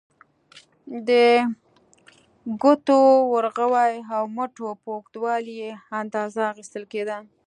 د ګوتو، ورغوي او مټو په اوږدوالي یې اندازه اخیستل کېده.